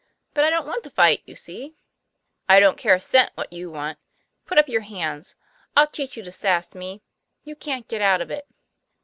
"But I don't want to fight, you see." " I don't care a cent what you want. Put up your hands. I'll teach you to sass me. You can't get out of it!"